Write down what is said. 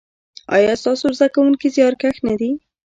ایا ستاسو زده کونکي زیارکښ نه دي؟